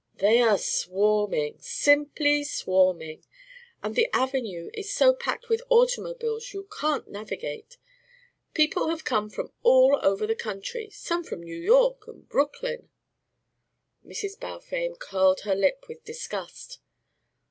"They are swarming, simply swarming. And the avenue is so packed with automobiles you can't navigate. People have come from all over the country some from New York and Brooklyn." Mrs. Balfame curled her lip with disgust.